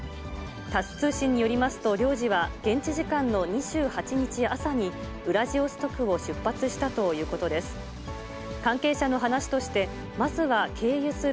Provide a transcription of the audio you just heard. タス通信によりますと、領事は、現地時間の２８日朝に、ウラジオストクを出発したということです。